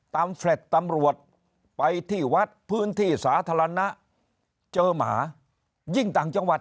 แฟลต์ตำรวจไปที่วัดพื้นที่สาธารณะเจอหมายิ่งต่างจังหวัด